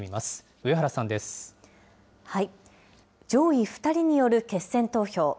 上位２人による決選投票。